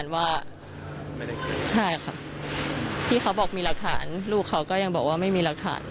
ว่าใช่ค่ะที่เขาบอกมีหลักฐานลูกเขาก็ยังบอกว่าไม่มีหลักฐาน